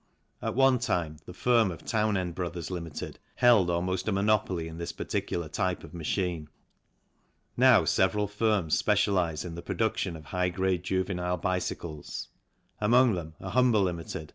At one time the firm of Townend Bros., Ltd., held almost a monopoly in this particular type of machine. Now several firms specialize in the production of high grade juvenile bicycles, among them are Humber, Ltd.